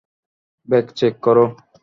Bag check করো।